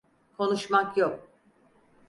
Konuşmak yok!